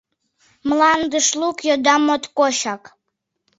Мландыш лук, йодам моткочак!»